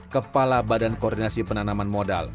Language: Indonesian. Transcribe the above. kepala badan koordinasi penanaman modal